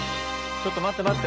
ちょっと待って待って。